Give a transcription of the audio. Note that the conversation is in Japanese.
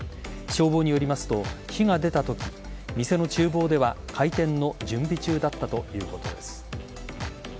消防によりますと火が出たとき店の厨房では開店の準備中だったということです。